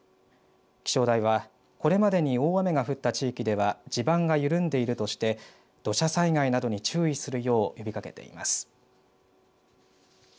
気象台はこれまでに大雨が降った地域では地盤が緩んでいるとして土砂災害などに注意するよう呼びかけています。